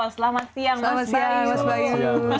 selamat siang mas bayu